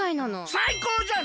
さいこうじゃん！